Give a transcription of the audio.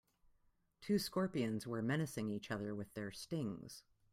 Two scorpions were menacing each other with their stings.